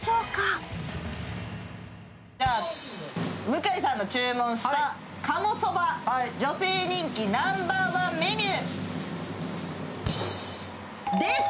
向井さんの注文した鴨そば、女性人気ナンバーワンメニューです！